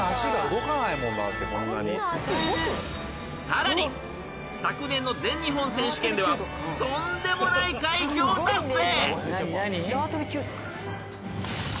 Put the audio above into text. ［さらに昨年の全日本選手権ではとんでもない快挙を達成］